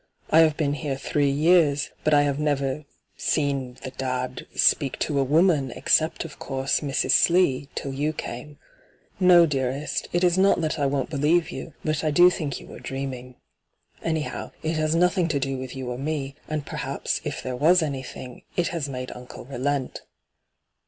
I have been here three years, but I have never — seen — the dad — speak to a woman, except, of courae, Mrs. Slee, till you came. No, dearest, it is not that I won't believe you, but I do think you were dream ing. Anyhow, it has nothing to do with you or me ; and perhaps, if there was anything, it has made uncle relent.'